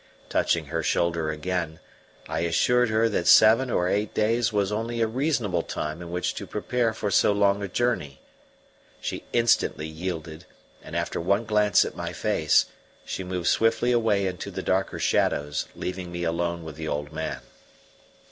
Touching her shoulder again, I assured her that seven or eight days was only a reasonable time in which to prepare for so long a journey. She instantly yielded, and after one glance at my face, she moved swiftly away into the darker shadows, leaving me alone with the old man.